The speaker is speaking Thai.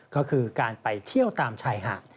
ก็คือการไปเที่ยวตามชายหาด